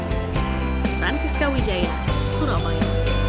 franciska wijaya surabaya